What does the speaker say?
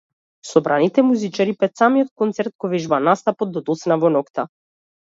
Собраните музичари пред самиот концерт го вежбаа настапот до доцна во ноќта.